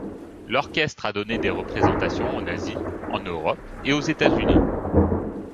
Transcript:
L'orchestre a donné des représentations en Asie, en Europe et aux États-Unis.